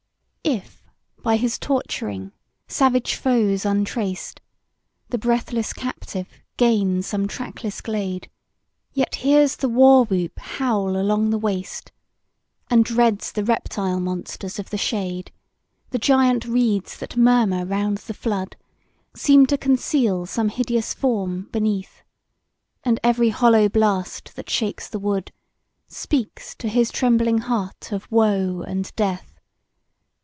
IF, by his torturing, savage foes untraced, The breathless captive gain some trackless glade, Yet hears the war whoop howl along the waste, And dreads the reptile monsters of the shade; The giant reeds that murmur round the flood, Seem to conceal some hideous form beneath; And every hollow blast that shakes the wood, Speaks to his trembling heart of woe and death.